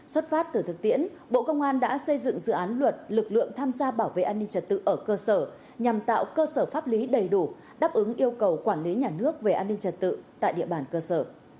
xuất phát từ thực tiễn bộ công an đã xây dựng dự án luật lực lượng tham gia bảo vệ an ninh trật tự ở cơ sở nhằm tạo cơ sở pháp lý đầy đủ đáp ứng yêu cầu quản lý nhà nước về an ninh trật tự tại địa bàn cơ sở